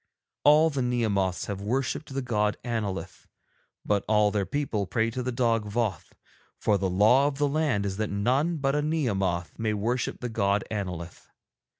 All the Nehemoths have worshipped the god Annolith, but all their people pray to the dog Voth, for the law of the land is that none but a Nehemoth may worship the god Annolith.